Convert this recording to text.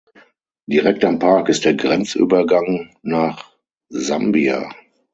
Direkt am Park ist der Grenzübergang nach Sambia.